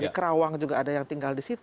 di kerawang juga ada yang tinggal di situ